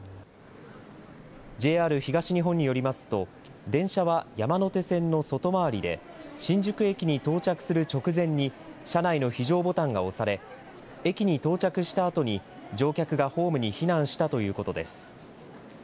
ＪＲ東日本によりますと、電車は山手線の外回りで、新宿駅に到着する直前に車内の非常ボタンが押され、駅に到着したあとに乗客がホームに避難したということです。